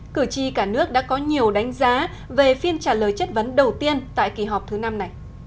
cử tri cả nước đã có nhiều đánh giá về phiên trả lời chất vấn đầu tiên tại kỳ họp thứ năm này